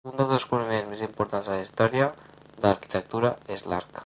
Un dels descobriments més importants de la història de l'arquitectura és l'arc.